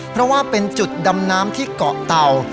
เพราะว่าเป็นจุดดำน้ำที่เกาะเตา